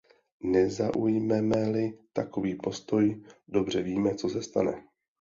Nezaujmeme-li takový postoj, dobře víme, co se stane.